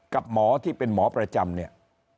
กับหมอที่เป็นหมอประจำเนี่ย